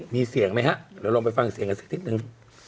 มีเสียงไหมฮะเดี๋ยวลองไปฟังเสียงกันสักนิดนึง